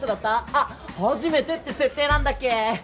あっ初めてって設定なんだっけ！